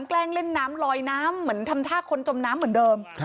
แกล้งเล่นน้ำลอยน้ำเหมือนทำท่าคนจมน้ำเหมือนเดิม